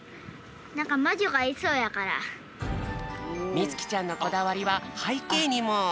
みつきちゃんのこだわりははいけいにも。